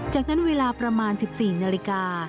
จากนั้นเวลาประมาณ๑๔นาฬิกา